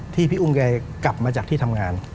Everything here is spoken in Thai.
พี่อุ้มแกกลับมาจากที่ทำงาน